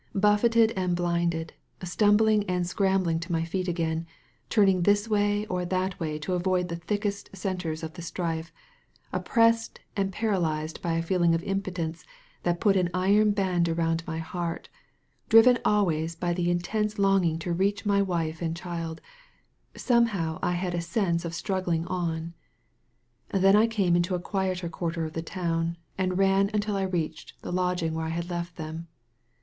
Buffeted and bUnded, stumbling and scrambling to my feet again, turning this way or that way to avoid the thickest centres of the strife, oppressed and paralyzed by a. feeling of impotence that put an iron band around my heart, driven always by the intense longing to reach my wife and child, somehow I had a sense of struggling on. Then I came into a quieter quarter of the town, and ran until I reached the lodging where I had left them.